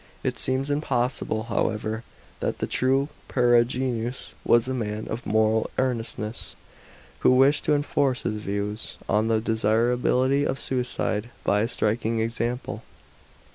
It seems possible, however, that the true Peregrinus was a man of moral earnestness, who wished to enforce his views on the desirability of suicide by a striking example.